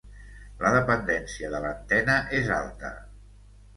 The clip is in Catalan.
La dependència de l'antena és alta.